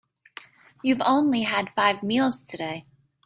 You've only had five meals today.